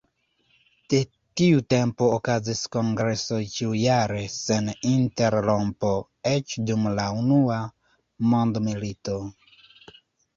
De tiu tempo okazis kongresoj ĉiujare sen interrompo, eĉ dum la Unua Mondmilito.